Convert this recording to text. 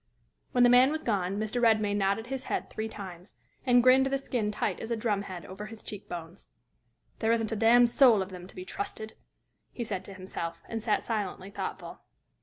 When the man was gone, Mr. Redmain nodded his head three times, and grinned the skin tight as a drum head over his cheek bones. "There isn't a damned soul of them to be trusted!" he said to himself, and sat silently thoughtful.